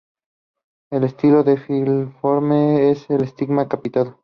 El estilo es filiforme y el estigma capitado.